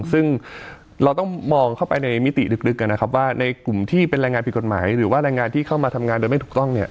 ซึ่งเราต้องมองเข้าไปในมิติลึกนะครับว่าในกลุ่มที่เป็นแรงงานผิดกฎหมายหรือว่าแรงงานที่เข้ามาทำงานโดยไม่ถูกต้องเนี่ย